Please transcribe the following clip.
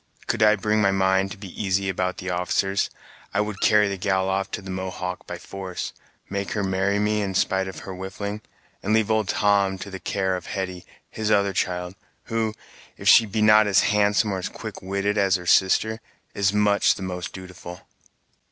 Could I bring my mind to be easy about the officers, I would carry the gal off to the Mohawk by force, make her marry me in spite of her whiffling, and leave old Tom to the care of Hetty, his other child, who, if she be not as handsome or as quick witted as her sister, is much the most dutiful."